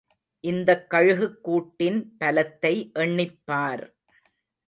இந்தக் கழுகுக் கூட்டின் பலத்தை எண்ணிப்பார்.